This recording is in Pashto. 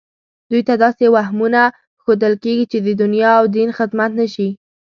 دوی ته داسې وهمونه ښودل کېږي چې د دنیا او دین خدمت نه شي